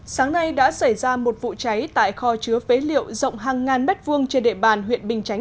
sáng nay đã xảy ra một vụ cháy tại kho chứa phế liệu rộng hàng ngàn m hai trên địa bàn huyện bình chánh